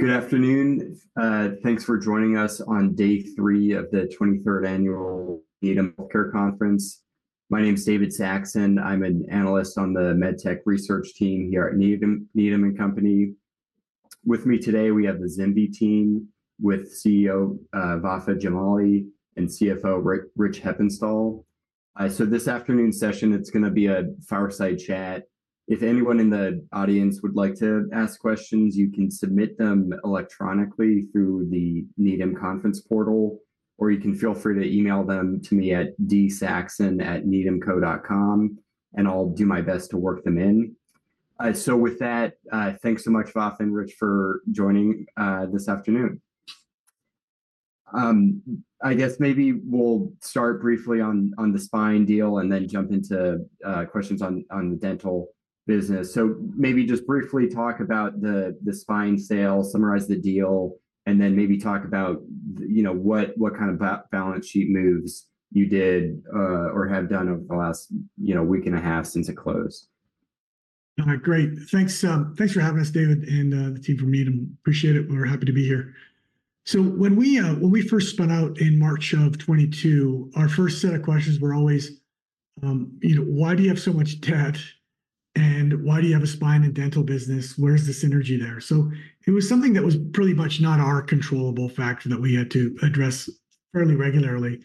Good afternoon. Thanks for joining us on day three of the 23rd Annual Needham Healthcare conference. My name's David Saxon. I'm an analyst on the MedTech Research Team here at Needham & Company. With me today, we have the ZimVie team with CEO Vafa Jamali and CFO Rich Heppenstall. So this afternoon's session, it's going to be a fireside chat. If anyone in the audience would like to ask questions, you can submit them electronically through the Needham Conference portal, or you can feel free to email them to me at dsaxon@needhamco.com, and I'll do my best to work them in. So with that, thanks so much, Vafa and Rich, for joining this afternoon. I guess maybe we'll start briefly on the spine deal and then jump into questions on the dental business. So maybe just briefly talk about the spine sale, summarize the deal, and then maybe talk about what kind of balance sheet moves you did or have done over the last week and a half since it closed. Great. Thanks for having us, David, and the team from Needham. Appreciate it. We're happy to be here. So when we first spun out in March of 2022, our first set of questions were always, "Why do you have so much debt? And why do you have a spine and dental business? Where's the synergy there?" So it was something that was pretty much not our controllable factor that we had to address fairly regularly.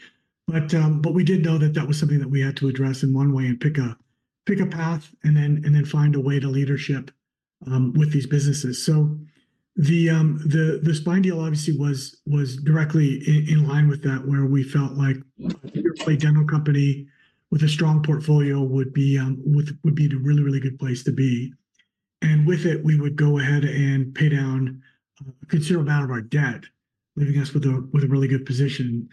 But we did know that that was something that we had to address in one way and pick a path and then find a way to leadership with these businesses. So the spine deal, obviously, was directly in line with that, where we felt like a dental company with a strong portfolio would be a really, really good place to be. With it, we would go ahead and pay down a considerable amount of our debt, leaving us with a really good position.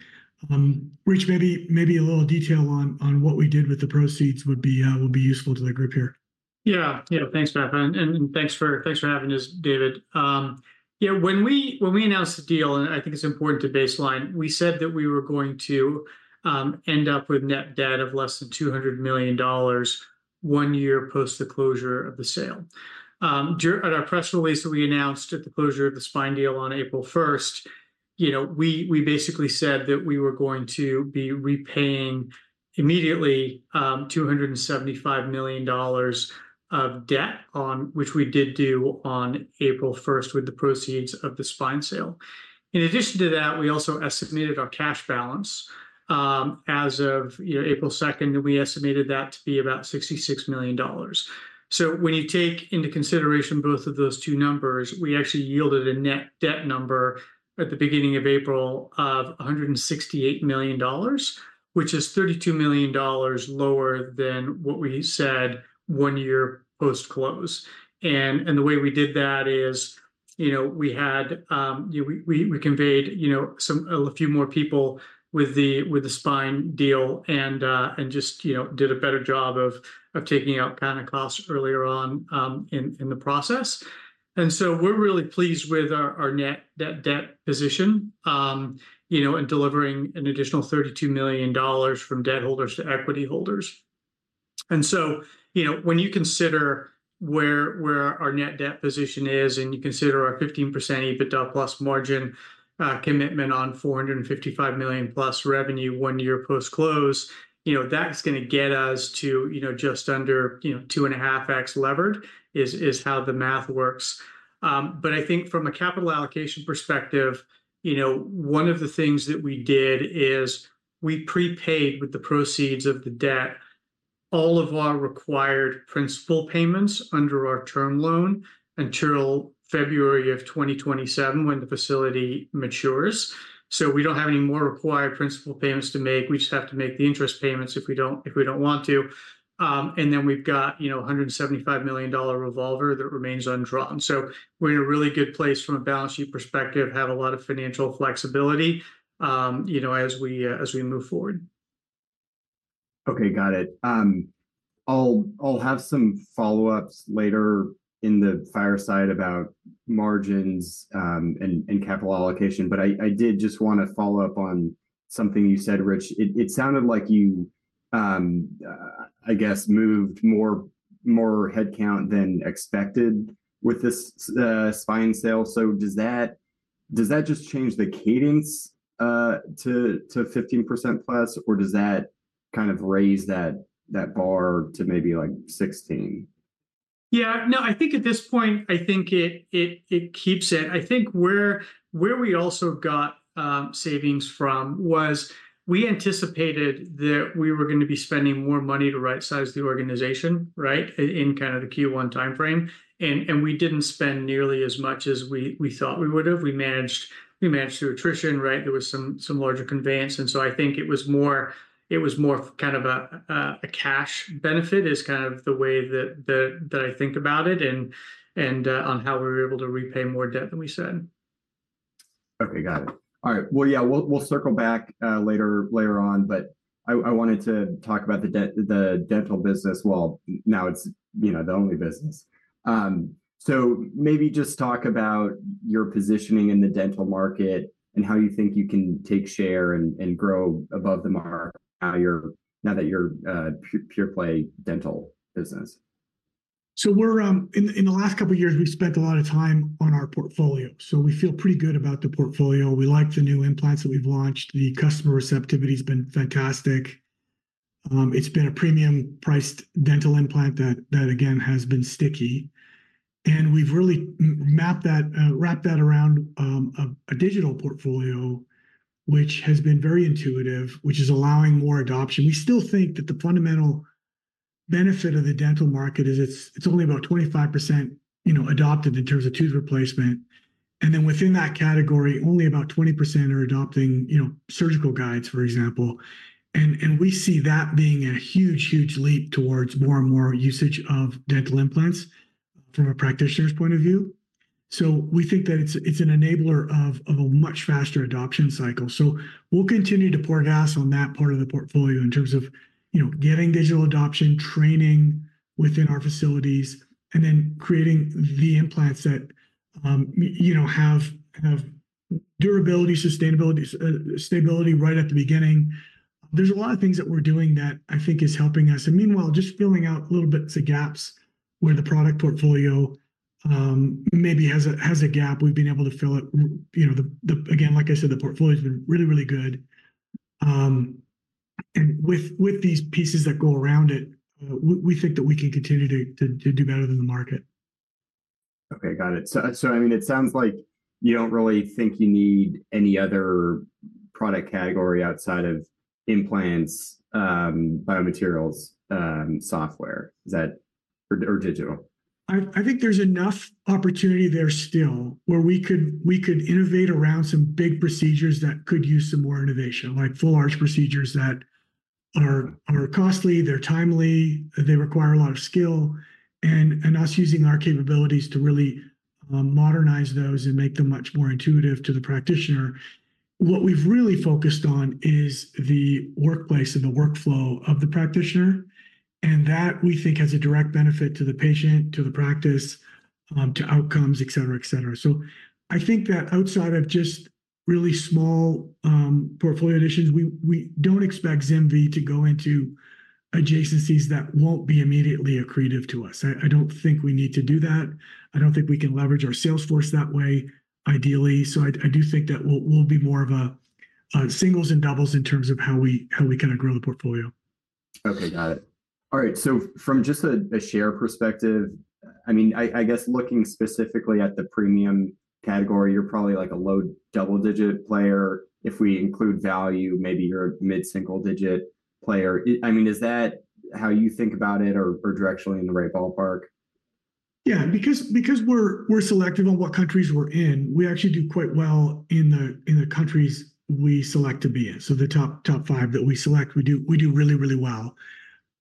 Rich, maybe a little detail on what we did with the proceeds would be useful to the group here. Yeah. Yeah. Thanks, Vafa. And thanks for having us, David. Yeah, when we announced the deal, and I think it's important to baseline, we said that we were going to end up with net debt of less than $200 million one year post the closure of the sale. At our press release that we announced at the closure of the spine deal on April 1st, we basically said that we were going to be repaying immediately $275 million of debt, which we did do on April 1st with the proceeds of the spine sale. In addition to that, we also estimated our cash balance. As of April 2nd, we estimated that to be about $66 million. So when you take into consideration both of those two numbers, we actually yielded a net debt number at the beginning of April of $168 million, which is $32 million lower than what we said one year post close. And the way we did that is we had conveyed a few more people with the spine deal and just did a better job of taking out kind of costs earlier on in the process. And so we're really pleased with our net debt position and delivering an additional $32 million from debt holders to equity holders. And so when you consider where our net debt position is and you consider our 15% EBITDA+ margin commitment on $455 million+ revenue one year post close, that's going to get us to just under 2.5x levered is how the math works. I think from a capital allocation perspective, one of the things that we did is we prepaid with the proceeds of the debt all of our required principal payments under our term loan until February of 2027 when the facility matures. We don't have any more required principal payments to make. We just have to make the interest payments if we don't want to. We've got a $175 million revolver that remains undrawn. We're in a really good place from a balance sheet perspective, have a lot of financial flexibility as we move forward. Okay. Got it. I'll have some follow-ups later in the fireside about margins and capital allocation. But I did just want to follow up on something you said, Rich. It sounded like you, I guess, moved more headcount than expected with this spine sale. So does that just change the cadence to 15%+, or does that kind of raise that bar to maybe 16? Yeah. No, I think at this point, I think it keeps it. I think where we also got savings from was we anticipated that we were going to be spending more money to right-size the organization, right, in kind of the Q1 timeframe. And we didn't spend nearly as much as we thought we would have. We managed through attrition, right? There was some larger conveyance. And so I think it was more kind of a cash benefit is kind of the way that I think about it and on how we were able to repay more debt than we said. Okay. Got it. All right. Well, yeah, we'll circle back later on. But I wanted to talk about the dental business while now it's the only business. So maybe just talk about your positioning in the dental market and how you think you can take share and grow above the mark now that you're a pure-play dental business. So in the last couple of years, we've spent a lot of time on our portfolio. So we feel pretty good about the portfolio. We like the new implants that we've launched. The customer receptivity's been fantastic. It's been a premium-priced dental implant that, again, has been sticky. And we've really wrapped that around a digital portfolio, which has been very intuitive, which is allowing more adoption. We still think that the fundamental benefit of the dental market is it's only about 25% adopted in terms of tooth replacement. And then within that category, only about 20% are adopting surgical guides, for example. And we see that being a huge, huge leap towards more and more usage of dental implants from a practitioner's point of view. So we think that it's an enabler of a much faster adoption cycle. So we'll continue to pour gas on that part of the portfolio in terms of getting digital adoption, training within our facilities, and then creating the implants that have durability, sustainability right at the beginning. There's a lot of things that we're doing that I think is helping us. And meanwhile, just filling out little bits of gaps where the product portfolio maybe has a gap, we've been able to fill it. Again, like I said, the portfolio's been really, really good. And with these pieces that go around it, we think that we can continue to do better than the market. Okay. Got it. So I mean, it sounds like you don't really think you need any other product category outside of implants, biomaterials, software, or digital. I think there's enough opportunity there still where we could innovate around some big procedures that could use some more innovation, like full-arch procedures that are costly, they're timely, they require a lot of skill, and us using our capabilities to really modernize those and make them much more intuitive to the practitioner. What we've really focused on is the workplace and the workflow of the practitioner. And that, we think, has a direct benefit to the patient, to the practice, to outcomes, etc., etc. So I think that outside of just really small portfolio additions, we don't expect ZimVie to go into adjacencies that won't be immediately accretive to us. I don't think we need to do that. I don't think we can leverage our sales force that way, ideally. I do think that we'll be more of a singles and doubles in terms of how we kind of grow the portfolio. Okay. Got it. All right. So from just a share perspective, I mean, I guess looking specifically at the premium category, you're probably a low double-digit player. If we include value, maybe you're a mid-single-digit player. I mean, is that how you think about it or directionally in the right ballpark? Yeah. Because we're selective on what countries we're in, we actually do quite well in the countries we select to be in. So the top five that we select, we do really, really well.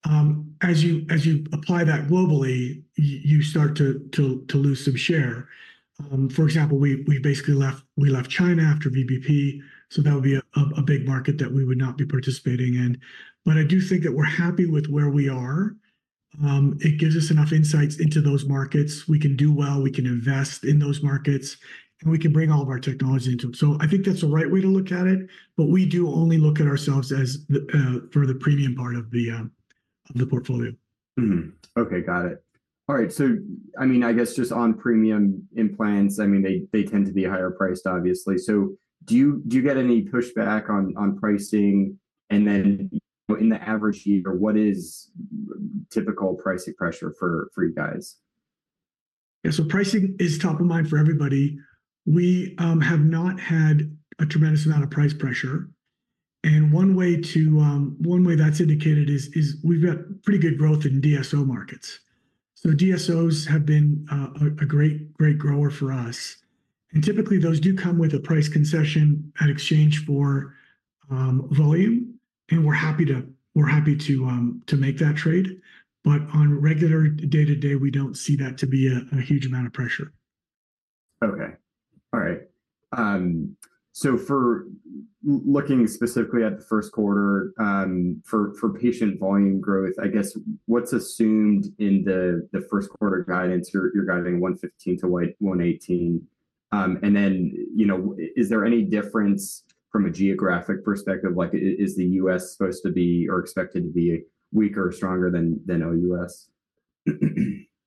As you apply that globally, you start to lose some share. For example, we basically left China after VBP. So that would be a big market that we would not be participating in. But I do think that we're happy with where we are. It gives us enough insights into those markets. We can do well. We can invest in those markets. And we can bring all of our technology into them. So I think that's the right way to look at it. But we do only look at ourselves for the premium part of the portfolio. Okay. Got it. All right. So I mean, I guess just on premium implants, I mean, they tend to be higher priced, obviously. So do you get any pushback on pricing? And then in the average year, what is typical pricing pressure for you guys? Yeah. Pricing is top of mind for everybody. We have not had a tremendous amount of price pressure. One way that's indicated is we've got pretty good growth in DSO markets. DSOs have been a great grower for us. Typically, those do come with a price concession at exchange for volume. We're happy to make that trade. On regular day-to-day, we don't see that to be a huge amount of pressure. Okay. All right. So looking specifically at the first quarter, for patient volume growth, I guess, what's assumed in the first-quarter guidance? You're guiding $115-$118. And then is there any difference from a geographic perspective? Is the U.S. supposed to be or expected to be weaker or stronger than OUS?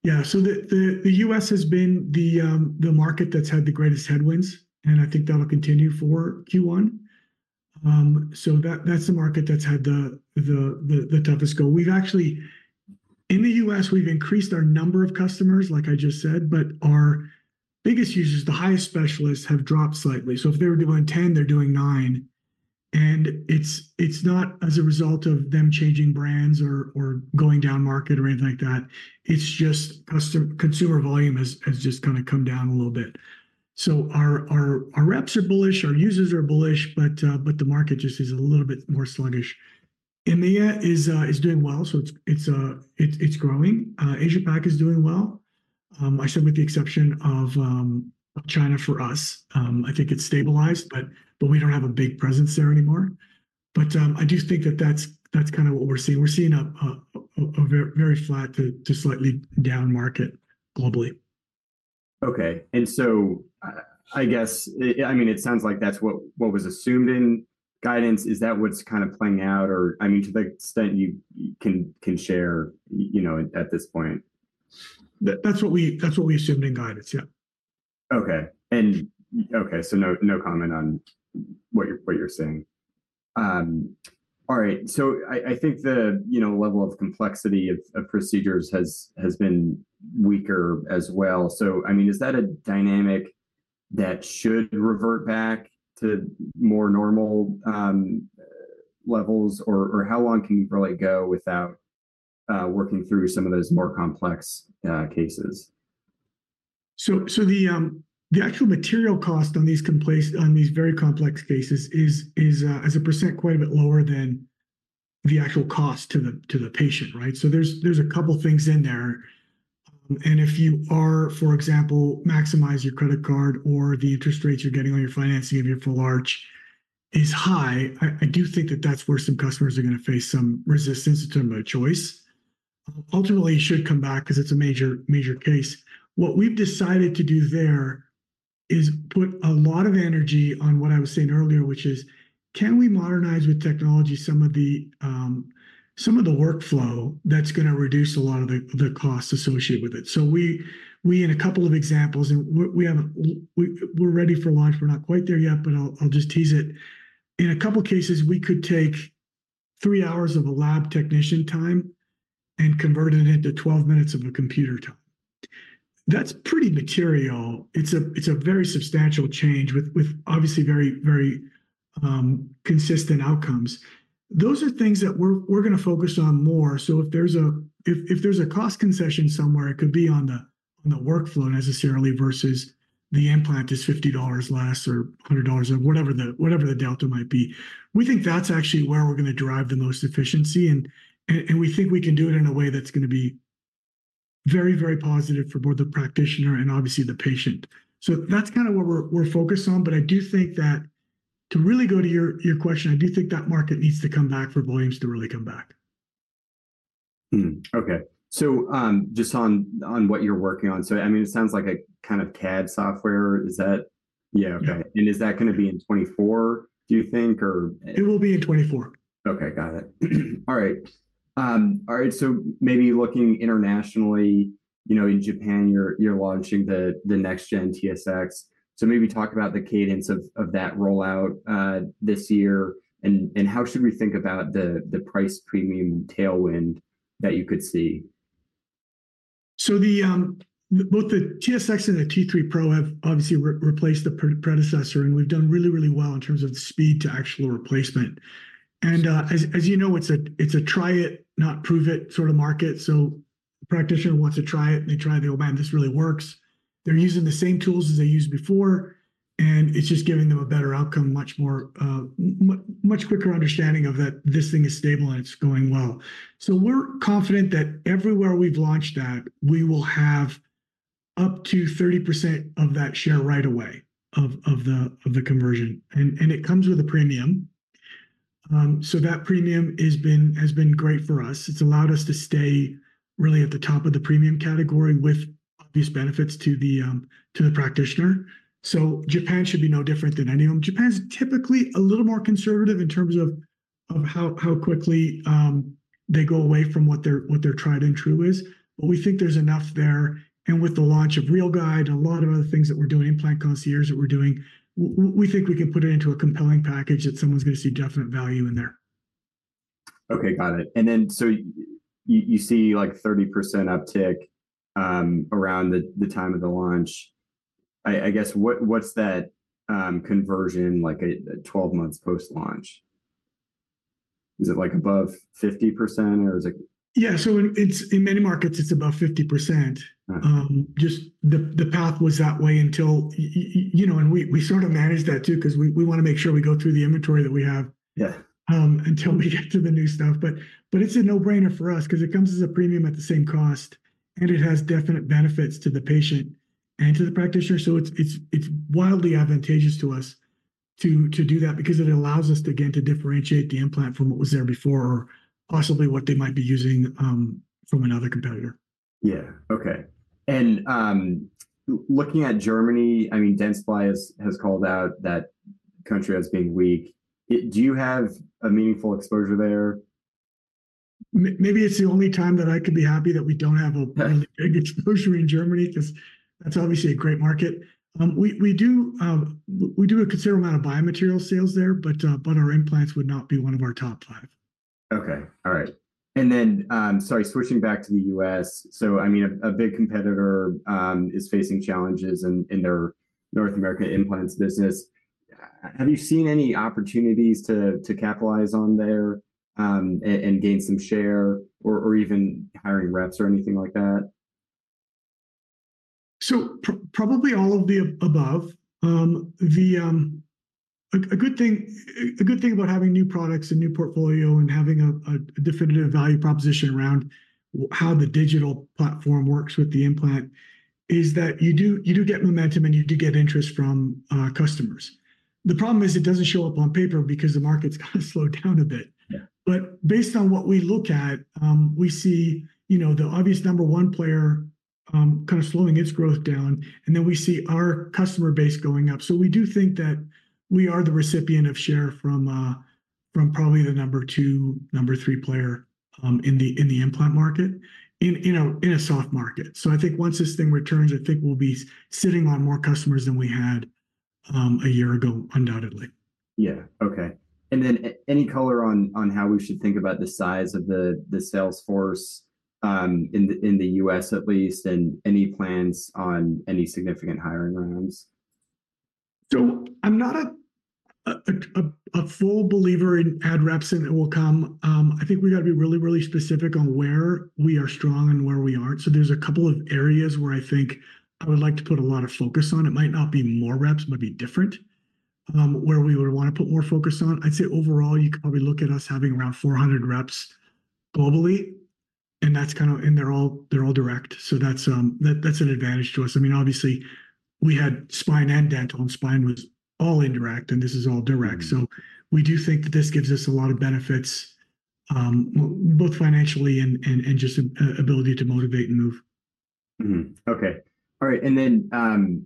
Yeah. So the U.S. has been the market that's had the greatest headwinds. And I think that'll continue for Q1. So that's the market that's had the toughest go. In the U.S., we've increased our number of customers, like I just said. But our biggest users, the highest specialists, have dropped slightly. So if they were doing 10, they're doing nine. And it's not as a result of them changing brands or going down market or anything like that. It's just consumer volume has just kind of come down a little bit. So our reps are bullish. Our users are bullish. But the market just is a little bit more sluggish. India is doing well. So it's growing. Asia-Pac is doing well, I said, with the exception of China for us. I think it's stabilized. But we don't have a big presence there anymore. But I do think that that's kind of what we're seeing. We're seeing a very flat to slightly down market globally. Okay. And so I guess, I mean, it sounds like that's what was assumed in guidance. Is that what's kind of playing out, or I mean, to the extent you can share at this point? That's what we assumed in guidance. Yeah. Okay. Okay. So no comment on what you're saying. All right. So I think the level of complexity of procedures has been weaker as well. So I mean, is that a dynamic that should revert back to more normal levels, or how long can we really go without working through some of those more complex cases? So the actual material cost on these very complex cases is, as a percent, quite a bit lower than the actual cost to the patient, right? So there's a couple of things in there. And if you are, for example, maximizing your credit card or the interest rates you're getting on your financing of your full arch is high, I do think that that's where some customers are going to face some resistance in terms of choice. Ultimately, it should come back because it's a major case. What we've decided to do there is put a lot of energy on what I was saying earlier, which is, can we modernize with technology some of the workflow that's going to reduce a lot of the costs associated with it? So in a couple of examples, and we're ready for launch. We're not quite there yet, but I'll just tease it. In a couple of cases, we could take three hours of a lab technician time and convert it into 12 minutes of a computer time. That's pretty material. It's a very substantial change with, obviously, very, very consistent outcomes. Those are things that we're going to focus on more. So if there's a cost concession somewhere, it could be on the workflow necessarily versus the implant is $50 less or $100 or whatever the delta might be. We think that's actually where we're going to drive the most efficiency. And we think we can do it in a way that's going to be very, very positive for both the practitioner and, obviously, the patient. So that's kind of what we're focused on. But I do think that to really go to your question, I do think that market needs to come back for volumes to really come back. Okay. So just on what you're working on. So I mean, it sounds like a kind of CAD software. Is that? Yeah. Yeah. Okay. And is that going to be in 2024, do you think, or? It will be in 2024. Okay. Got it. All right. All right. So maybe looking internationally, in Japan, you're launching the next-gen TSX. So maybe talk about the cadence of that rollout this year and how should we think about the price premium tailwind that you could see? Both the TSX and the T3 Pro have, obviously, replaced the predecessor. We've done really, really well in terms of the speed to actual replacement. As you know, it's a try-it, not prove-it sort of market. The practitioner wants to try it. They try it. They go, "Man, this really works." They're using the same tools as they used before. It's just giving them a better outcome, much quicker understanding of that this thing is stable and it's going well. We're confident that everywhere we've launched that, we will have up to 30% of that share right away of the conversion. It comes with a premium. That premium has been great for us. It's allowed us to stay really at the top of the premium category with obvious benefits to the practitioner. So Japan should be no different than any of them. Japan's typically a little more conservative in terms of how quickly they go away from what their tried and true is. But we think there's enough there. And with the launch of RealGUIDE and a lot of other things that we're doing, implant courses, webinars that we're doing, we think we can put it into a compelling package that someone's going to see definite value in there. Okay. Got it. You see 30% uptick around the time of the launch. I guess, what's that conversion like 12 months post-launch? Is it above 50%, or is it? Yeah. So in many markets, it's above 50%. Just the path was that way until, and we sort of manage that too because we want to make sure we go through the inventory that we have until we get to the new stuff. But it's a no-brainer for us because it comes as a premium at the same cost. And it has definite benefits to the patient and to the practitioner. So it's wildly advantageous to us to do that because it allows us, again, to differentiate the implant from what was there before or possibly what they might be using from another competitor. Yeah. Okay. Looking at Germany, I mean, Dentsply has called out that country as being weak. Do you have a meaningful exposure there? Maybe it's the only time that I could be happy that we don't have a really big exposure in Germany because that's obviously a great market. We do a considerable amount of biomaterial sales there. But our implants would not be one of our top five. Okay. All right. And then sorry, switching back to the U.S. So I mean, a big competitor is facing challenges in their North American implants business. Have you seen any opportunities to capitalize on there and gain some share or even hiring reps or anything like that? So probably all of the above. A good thing about having new products and new portfolio and having a definitive value proposition around how the digital platform works with the implant is that you do get momentum, and you do get interest from customers. The problem is it doesn't show up on paper because the market's kind of slowed down a bit. But based on what we look at, we see the obvious number one player kind of slowing its growth down. And then we see our customer base going up. So we do think that we are the recipient of share from probably the number two, number three player in the implant market in a soft market. So I think once this thing returns, I think we'll be sitting on more customers than we had a year ago, undoubtedly. Yeah. Okay. And then any color on how we should think about the size of the sales force in the U.S., at least, and any plans on any significant hiring rounds? So I'm not a full believer in adding reps, and it will come. I think we got to be really, really specific on where we are strong and where we aren't. So there's a couple of areas where I think I would like to put a lot of focus on. It might not be more reps. It might be different where we would want to put more focus on. I'd say overall, you could probably look at us having around 400 reps globally. And that's kind of, and they're all direct. So that's an advantage to us. I mean, obviously, we had Spine and Dental, and Spine was all indirect. And this is all direct. So we do think that this gives us a lot of benefits, both financially and just ability to motivate and move. Okay. All right. And then,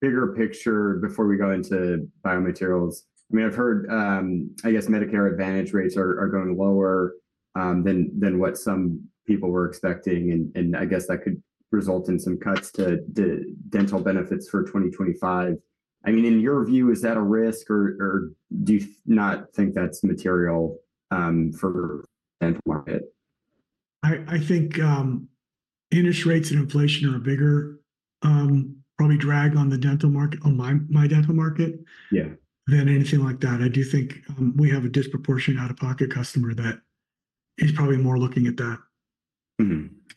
bigger picture, before we go into biomaterials. I mean, I've heard, I guess, Medicare Advantage rates are going lower than what some people were expecting. And I guess that could result in some cuts to dental benefits for 2025. I mean, in your view, is that a risk, or do you not think that's material for the dental market? I think interest rates and inflation are a bigger probably drag on my dental market than anything like that. I do think we have a disproportionate out-of-pocket customer that is probably more looking at that.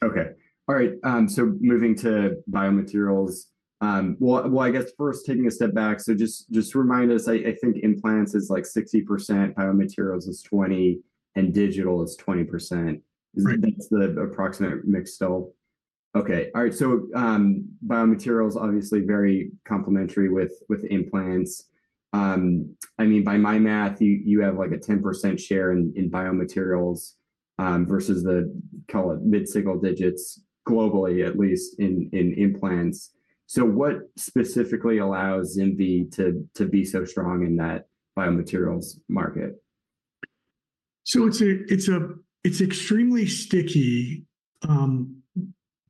Okay. All right. So moving to biomaterials. Well, I guess, first, taking a step back, so just remind us, I think implants is like 60%, biomaterials is 20%, and digital is 20%. Is that the approximate mix still? Right. Okay. All right. So biomaterials, obviously, very complementary with implants. I mean, by my math, you have a 10% share in biomaterials versus the, call it, mid-single digits globally, at least, in implants. So what specifically allows ZimVie to be so strong in that biomaterials market? So it's an extremely sticky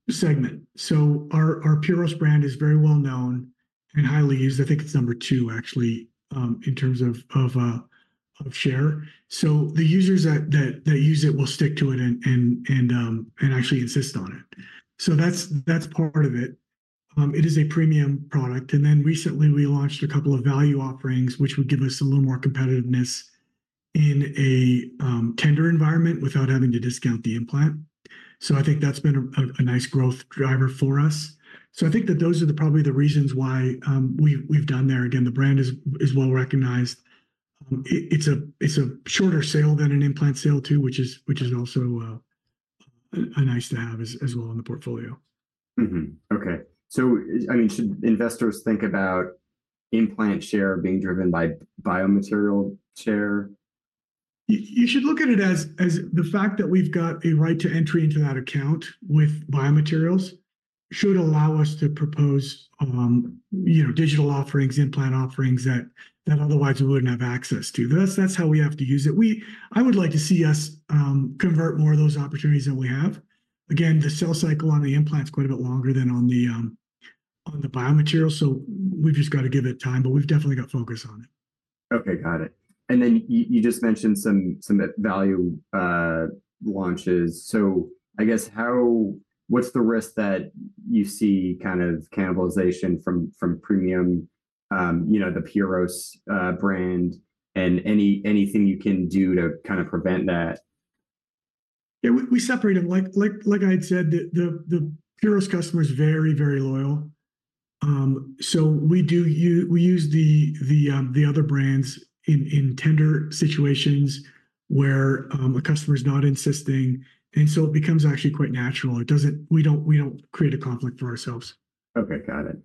segment. So our Puros brand is very well known and highly used. I think it's number two, actually, in terms of share. So the users that use it will stick to it and actually insist on it. So that's part of it. It is a premium product. And then recently, we launched a couple of value offerings, which would give us a little more competitiveness in a tender environment without having to discount the implant. So I think that's been a nice growth driver for us. So I think that those are probably the reasons why we've done there. Again, the brand is well recognized. It's a shorter sale than an implant sale, too, which is also nice to have as well in the portfolio. Okay. So I mean, should investors think about implant share being driven by biomaterial share? You should look at it as the fact that we've got a right to entry into that account with biomaterials, should allow us to propose digital offerings, implant offerings that otherwise we wouldn't have access to. That's how we have to use it. I would like to see us convert more of those opportunities that we have. Again, the sell cycle on the implant's quite a bit longer than on the biomaterial. We've just got to give it time. We've definitely got focus on it. Okay. Got it. And then you just mentioned some value launches. So I guess, what's the risk that you see kind of cannibalization from premium, the Puros brand, and anything you can do to kind of prevent that? Yeah. We separate them. Like I had said, the Puros customer is very, very loyal. So we use the other brands in tender situations where a customer is not insisting. And so it becomes actually quite natural. We don't create a conflict for ourselves. Okay. Got it.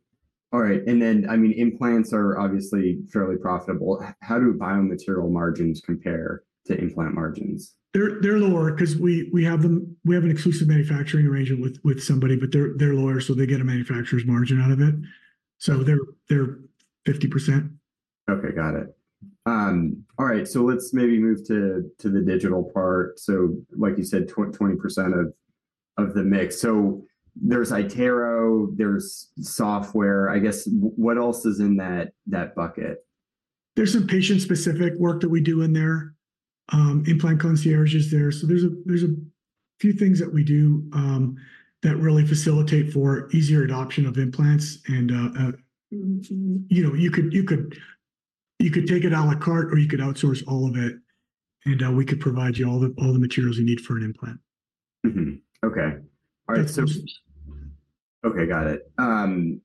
All right. And then, I mean, implants are obviously fairly profitable. How do biomaterial margins compare to implant margins? They're lower because we have an exclusive manufacturing arrangement with somebody. But they're lower, so they get a manufacturer's margin out of it. So they're 50%. Okay. Got it. All right. So let's maybe move to the digital part. So like you said, 20% of the mix. So there's iTero. There's software. I guess, what else is in that bucket? There's some patient-specific work that we do in there. Implant Concierge is there. So there's a few things that we do that really facilitate for easier adoption of implants. And you could take it à la carte, or you could outsource all of it. And we could provide you all the materials you need for an implant. Okay. All right. So okay. Got it.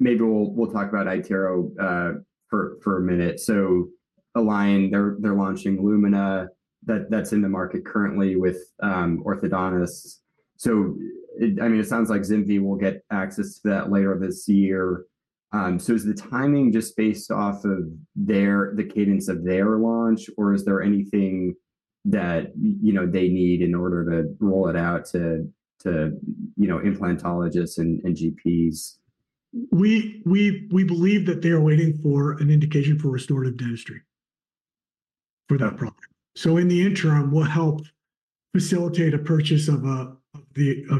Maybe we'll talk about iTero for a minute. So Align, they're launching Lumina. That's in the market currently with orthodontists. So I mean, it sounds like ZimVie will get access to that later this year. So is the timing just based off of the cadence of their launch, or is there anything that they need in order to roll it out to implantologists and GPs? We believe that they are waiting for an indication for restorative dentistry for that product. So in the interim, we'll help facilitate a purchase of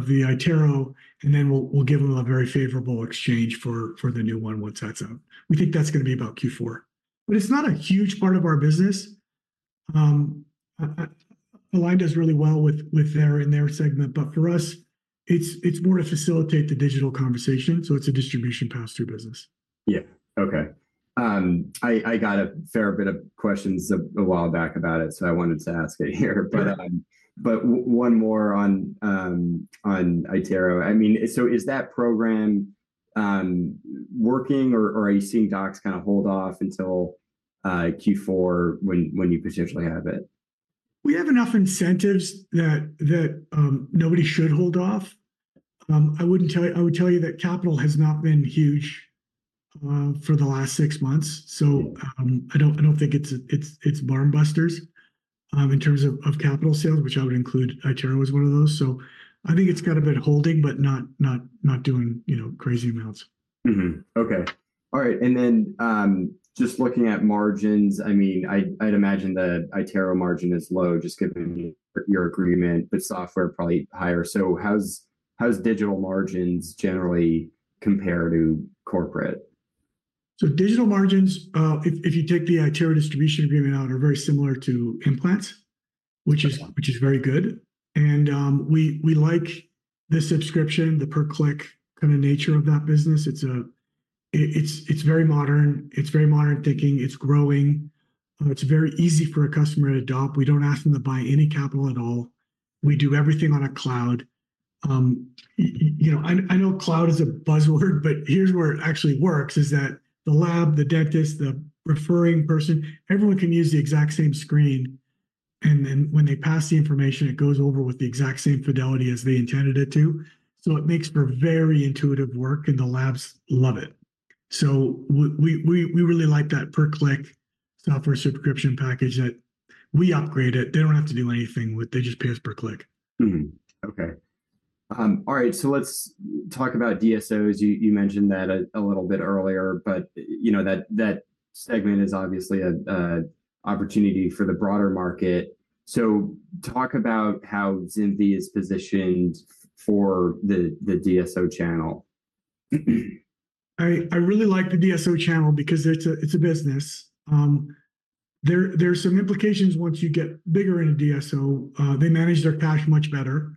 the iTero. And then we'll give them a very favorable exchange for the new one once that's out. We think that's going to be about Q4. But it's not a huge part of our business. Align does really well in their segment. But for us, it's more to facilitate the digital conversation. So it's a distribution pass-through business. Yeah. Okay. I got a fair bit of questions a while back about it, so I wanted to ask it here. But one more on iTero. I mean, so is that program working, or are you seeing docs kind of hold off until Q4 when you potentially have it? We have enough incentives that nobody should hold off. I would tell you that capital has not been huge for the last six months. So I don't think it's blockbusters in terms of capital sales, which I would include iTero as one of those. So I think it's got a bit holding but not doing crazy amounts. Okay. All right. And then just looking at margins, I mean, I'd imagine the iTero margin is low just given your agreement, but software probably higher. So how's digital margins generally compared to corporate? So digital margins, if you take the iTero distribution agreement out, are very similar to implants, which is very good. We like the subscription, the per-click kind of nature of that business. It's very modern. It's very modern thinking. It's growing. It's very easy for a customer to adopt. We don't ask them to buy any capital at all. We do everything on a cloud. I know cloud is a buzzword, but here's where it actually works, is that the lab, the dentist, the referring person, everyone can use the exact same screen. Then when they pass the information, it goes over with the exact same fidelity as they intended it to. It makes for very intuitive work, and the labs love it. We really like that per-click software subscription package that we upgrade it. They don't have to do anything with it. They just pay us per click. Okay. All right. Let's talk about DSOs. You mentioned that a little bit earlier, but that segment is obviously an opportunity for the broader market. Talk about how ZimVie is positioned for the DSO channel. I really like the DSO channel because it's a business. There are some implications once you get bigger in a DSO. They manage their cash much better.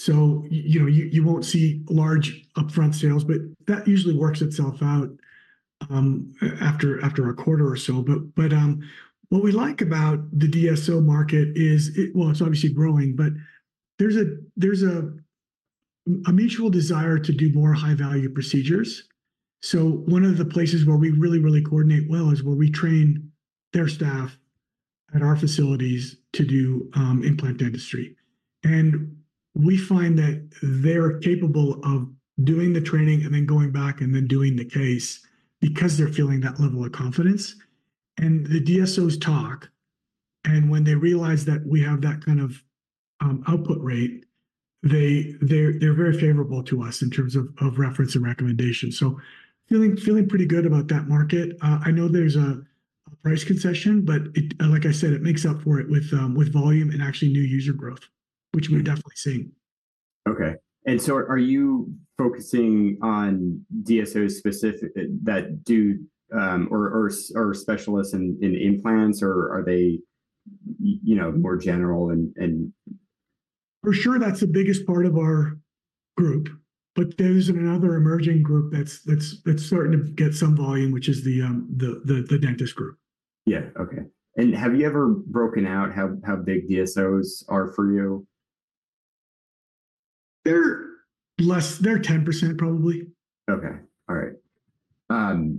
So you won't see large upfront sales. But that usually works itself out after a quarter or so. But what we like about the DSO market is well, it's obviously growing, but there's a mutual desire to do more high-value procedures. So one of the places where we really, really coordinate well is where we train their staff at our facilities to do implant dentistry. And we find that they're capable of doing the training and then going back and then doing the case because they're feeling that level of confidence. And the DSOs talk. And when they realize that we have that kind of output rate, they're very favorable to us in terms of reference and recommendation. Feeling pretty good about that market. I know there's a price concession, but like I said, it makes up for it with volume and actually new user growth, which we're definitely seeing. Okay. And so are you focusing on DSOs that do or specialists in implants, or are they more general and? For sure, that's the biggest part of our group. But there's another emerging group that's starting to get some volume, which is the dentist group. Yeah. Okay. And have you ever broken out how big DSOs are for you? They're 10%, probably. Okay. All right.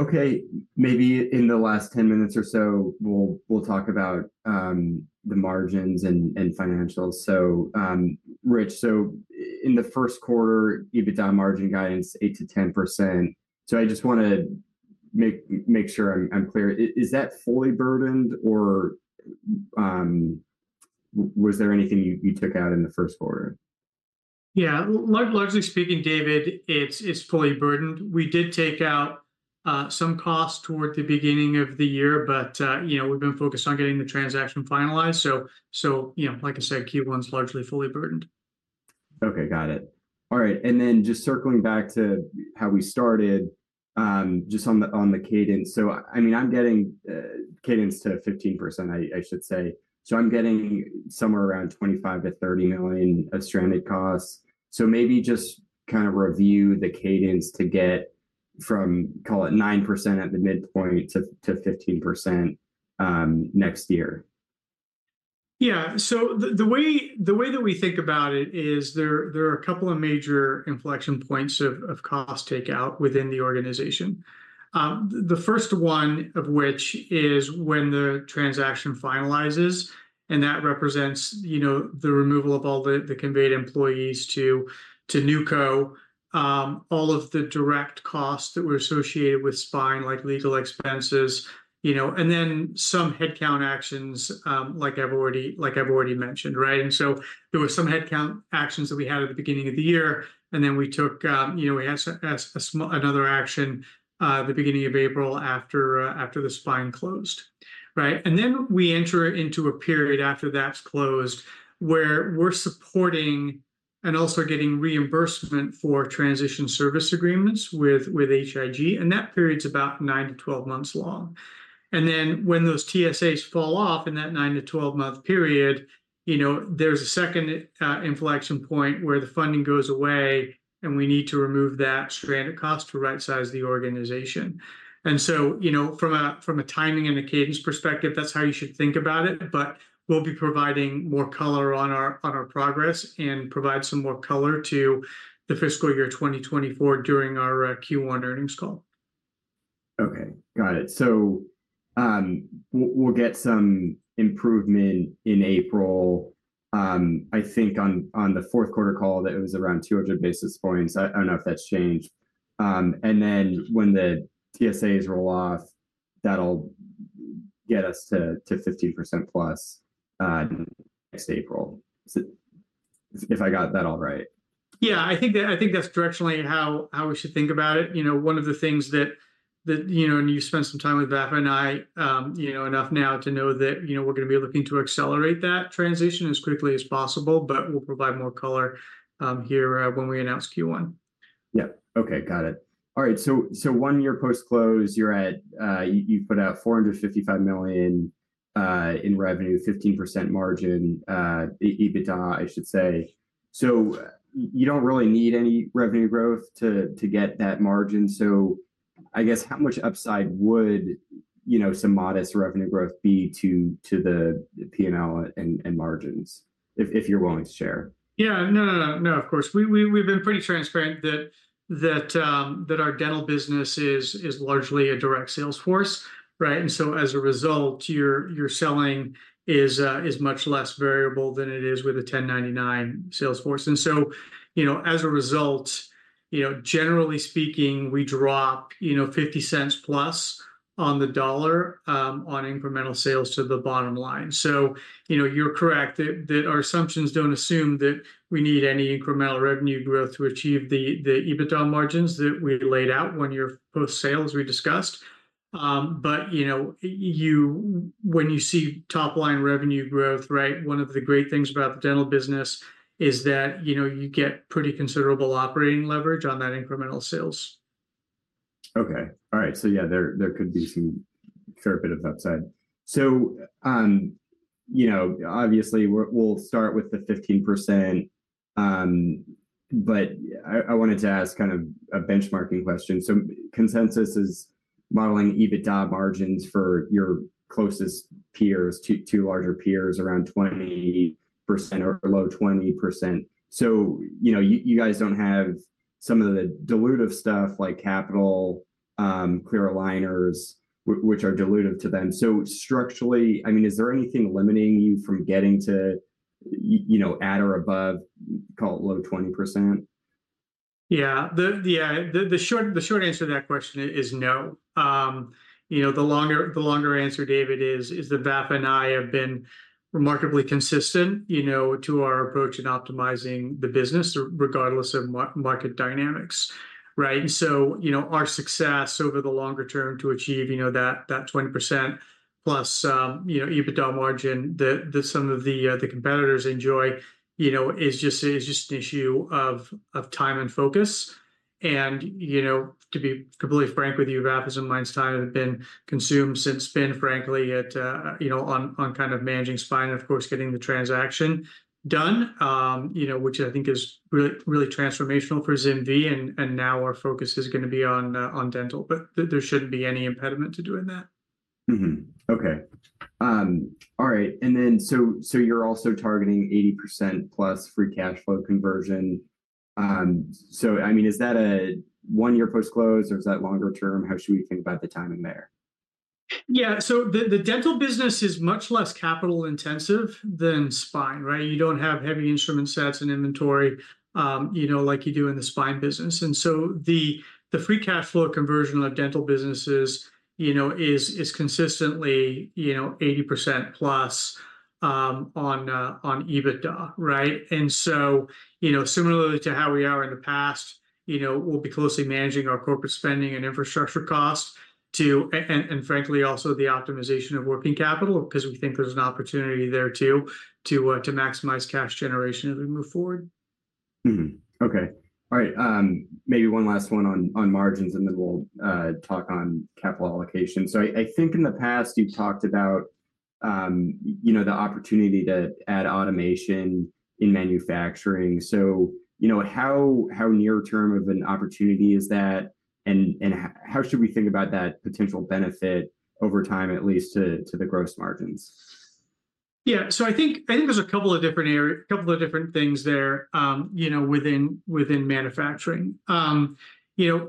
Okay. Maybe in the last 10 minutes or so, we'll talk about the margins and financials. So Rich, so in the first quarter, you've been down margin guidance 8%-10%. So I just want to make sure I'm clear. Is that fully burdened, or was there anything you took out in the first quarter? Yeah. Largely speaking, David, it's fully burdened. We did take out some costs toward the beginning of the year, but we've been focused on getting the transaction finalized. So like I said, Q1's largely fully burdened. Okay. Got it. All right. Then just circling back to how we started, just on the cadence. So I mean, I'm getting cadence to 15%, I should say. So I'm getting somewhere around $25 million-$30 million of stranded costs. So maybe just kind of review the cadence to get from, call it, 9% at the midpoint to 15% next year. Yeah. So the way that we think about it is there are a couple of major inflection points of cost takeout within the organization. The first one of which is when the transaction finalizes, and that represents the removal of all the conveyed employees to NewCo, all of the direct costs that were associated with Spine, like legal expenses, and then some headcount actions like I've already mentioned, right? And so there were some headcount actions that we had at the beginning of the year. And then we had another action at the beginning of April after the Spine closed, right? And then we enter into a period after that's closed where we're supporting and also getting reimbursement for transition service agreements with H.I.G. And that period's about 9-12 months long. Then when those TSAs fall off in that 9-12-month period, there's a second inflection point where the funding goes away, and we need to remove that stranded cost to right-size the organization. From a timing and a cadence perspective, that's how you should think about it. We'll be providing more color on our progress and provide some more color to the fiscal year 2024 during our Q1 earnings call. Okay. Got it. So we'll get some improvement in April, I think, on the fourth-quarter call that was around 200 basis points. I don't know if that's changed. And then when the TSAs roll off, that'll get us to 15%+ next April, if I got that all right. Yeah. I think that's directionally how we should think about it. One of the things that and you spent some time with Vafa and I enough now to know that we're going to be looking to accelerate that transition as quickly as possible, but we'll provide more color here when we announce Q1. Yeah. Okay. Got it. All right. So one year post-close, you've put out $455 million in revenue, 15% margin, EBITDA, I should say. So you don't really need any revenue growth to get that margin. So I guess, how much upside would some modest revenue growth be to the P&L and margins if you're willing to share? Yeah. No ,no, no. No, of course. We've been pretty transparent that our dental business is largely a direct salesforce, right? And so as a result, your selling is much less variable than it is with a 1099 salesforce. And so as a result, generally speaking, we drop $0.5 on incremental sales to the bottom line. So you're correct that our assumptions don't assume that we need any incremental revenue growth to achieve the EBITDA margins that we laid out one year post-sale, as we discussed. But when you see top-line revenue growth, right, one of the great things about the dental business is that you get pretty considerable operating leverage on that incremental sales. Okay. All right. So yeah, there could be some fair bit of upside. So obviously, we'll start with the 15%. But I wanted to ask kind of a benchmarking question. So consensus is modeling EBITDA margins for your closest peers, two larger peers, around 20% or low 20%. So you guys don't have some of the dilutive stuff like Capital, Clear Aligners, which are dilutive to them. So structurally, I mean, is there anything limiting you from getting to at or above, call it, low 20%? Yeah. Yeah. The short answer to that question is no. The longer answer, David, is that Vafa and I have been remarkably consistent to our approach in optimizing the business regardless of market dynamics, right? And so our success over the longer term to achieve that 20%+ EBITDA margin that some of the competitors enjoy is just an issue of time and focus. And to be completely frank with you, Vafa's and mine's time have been consumed since been, frankly, on kind of managing Spine and, of course, getting the transaction done, which I think is really transformational for ZimVie. And now our focus is going to be on dental. But there shouldn't be any impediment to doing that. Okay. All right. You're also targeting 80%+ free cash flow conversion. So I mean, is that a one-year post-close, or is that longer term? How should we think about the timing there? Yeah. So the dental business is much less capital-intensive than Spine, right? You don't have heavy instrument sets and inventory like you do in the Spine business. And so the free cash flow conversion of dental businesses is consistently 80%+ on EBITDA, right? And so similarly to how we are in the past, we'll be closely managing our corporate spending and infrastructure costs too, and frankly, also the optimization of working capital because we think there's an opportunity there too to maximize cash generation as we move forward. Okay. All right. Maybe one last one on margins, and then we'll talk on capital allocation. So I think in the past, you've talked about the opportunity to add automation in manufacturing. So how near-term of an opportunity is that? And how should we think about that potential benefit over time, at least, to the gross margins? Yeah. So I think there's a couple of different a couple of different things there within manufacturing.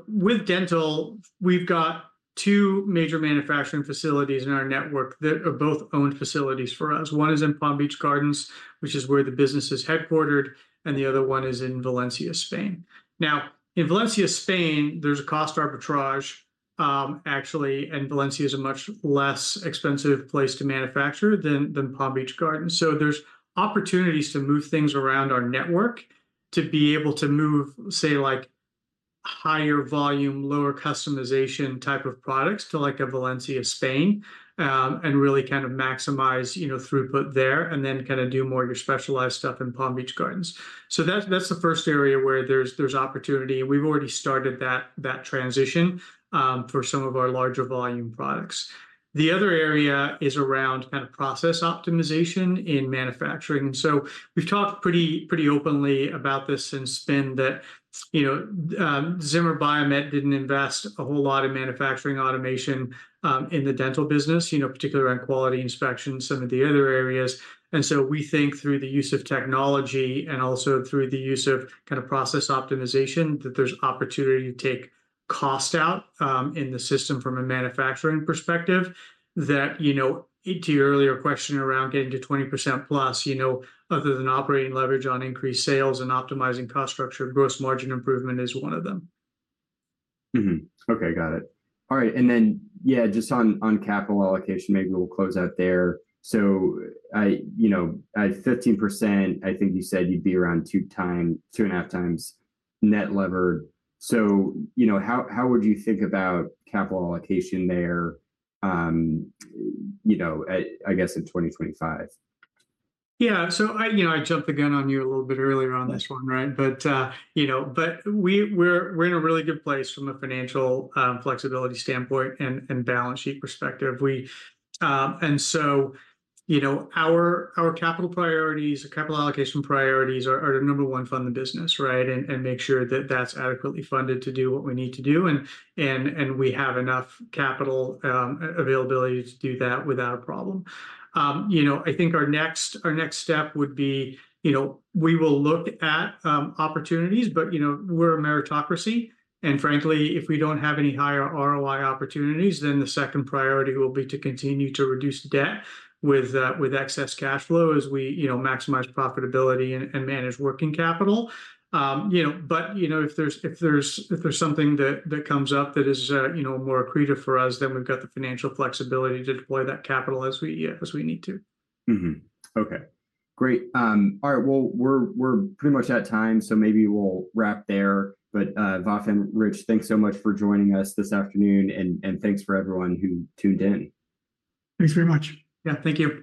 With dental, we've got two major manufacturing facilities in our network that are both owned facilities for us. One is in Palm Beach Gardens, which is where the business is headquartered, and the other one is in Valencia, Spain. Now, in Valencia, Spain, there's a cost arbitrage, actually, and Valencia is a much less expensive place to manufacture than Palm Beach Gardens. So there's opportunities to move things around our network to be able to move, say, higher volume, lower customization type of products to a Valencia, Spain, and really kind of maximize throughput there and then kind of do more of your specialized stuff in Palm Beach Gardens. So that's the first area where there's opportunity, and we've already started that transition for some of our larger volume products. The other area is around kind of process optimization in manufacturing. And so we've talked pretty openly about this since been that Zimmer Biomet didn't invest a whole lot in manufacturing automation in the dental business, particularly around quality inspection, some of the other areas. And so we think through the use of technology and also through the use of kind of process optimization that there's opportunity to take cost out in the system from a manufacturing perspective. To your earlier question around getting to 20%+, other than operating leverage on increased sales and optimizing cost structure, gross margin improvement is one of them. Okay. Got it. All right. And then, yeah, just on capital allocation, maybe we'll close out there. So at 15%, I think you said you'd be around 2.5x net levered. So how would you think about capital allocation there, I guess, in 2025? Yeah. So I jumped again on you a little bit earlier on this one, right? But we're in a really good place from a financial flexibility standpoint and balance sheet perspective. And so our capital priorities, our capital allocation priorities are to number one fund the business, right, and make sure that that's adequately funded to do what we need to do. And we have enough capital availability to do that without a problem. I think our next step would be we will look at opportunities, but we're a meritocracy. And frankly, if we don't have any higher ROI opportunities, then the second priority will be to continue to reduce debt with excess cash flow as we maximize profitability and manage working capital. But if there's something that comes up that is more accretive for us, then we've got the financial flexibility to deploy that capital as we need to. Okay. Great. All right. Well, we're pretty much at time, so maybe we'll wrap there. But Vafa and Rich, thanks so much for joining us this afternoon, and thanks for everyone who tuned in. Thanks very much. Yeah. Thank you.